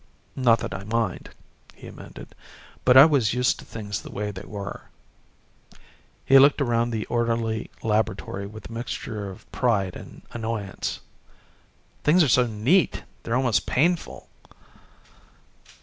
Not that I mind," he amended, "but I was used to things the way they were." He looked around the orderly laboratory with a mixture of pride and annoyance. "Things are so neat they're almost painful."